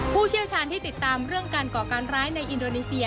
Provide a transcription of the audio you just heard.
ผู้เชี่ยวชาญที่ติดตามเรื่องการก่อการร้ายในอินโดนีเซีย